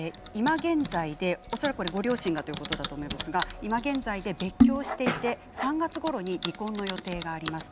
現在で恐らくご両親がということですが別居をしていて３月ごろに離婚の予定があります。